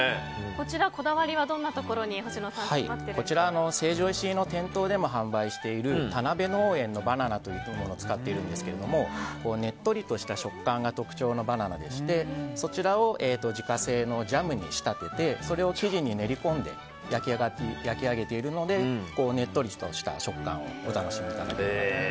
こちら、こだわりはどんなところにこちら、成城石井の店頭でも販売している田辺農園のバナナを使っているんですけどもねっとりとした食感が特徴のバナナでしてそちらを自家製のジャムに仕立ててそれを生地に練り込んで焼き上げているのでねっとりとした食感をお楽しみいただけます。